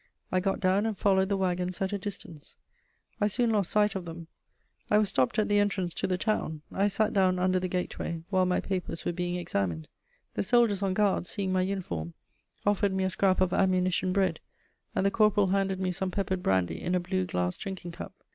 I got down and followed the waggons at a distance; I soon lost sight of them. I was stopped at the entrance to the town. I sat down under the gateway, while my papers were being examined. The soldiers on guard, seeing my uniform, offered me a scrap of ammunition bread, and the corporal handed me some peppered brandy in a blue glass drinking cup.